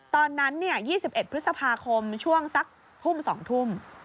ตอนนั้น๒๑พฤษภาคมช่วงสักทุ่ม๒ทุ่ม